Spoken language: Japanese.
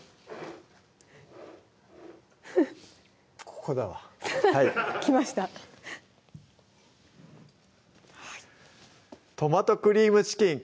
ここだわ！はいきました「トマトクリームチキン」